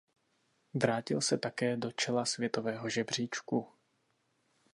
Vrátil se také do čela světového žebříčku.